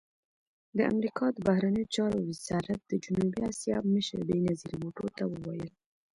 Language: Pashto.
د امریکا د بهرنیو چارو وزارت د جنوبي اسیا مشر بېنظیر بوټو ته وویل